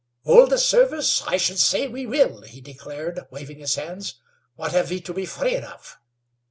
"Hold the service? I should say we will," he declared, waving his hands. "What have we to be afraid of?"